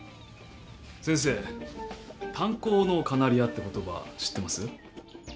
先生「炭鉱のカナリア」って言葉知ってます？